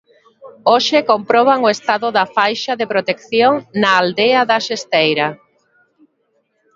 Hoxe comproban o estado da faixa de protección na aldea da Xesteira.